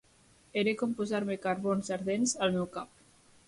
Era com posar-me carbons ardents al meu cap.